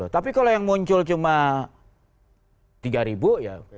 tapi kalau yang muncul cuma tiga ribu ya